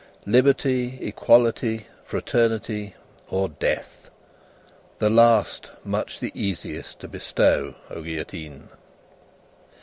Liberty, equality, fraternity, or death; the last, much the easiest to bestow, O Guillotine!